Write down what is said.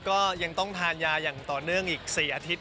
ก็ยังต้องทานยาอย่างต่อเนื่องอีก๔อาทิตย